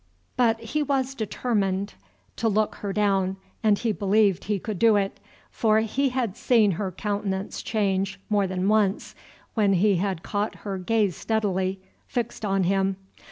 But he was determined to look her down, and he believed he could do it, for he had seen her countenance change more than once when he had caught her gaze steadily fixed on him.